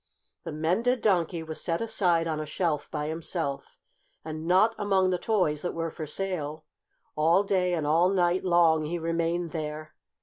The mended Donkey was set aside on a shelf by himself, and not among the toys that were for sale. All day and all night long he remained there.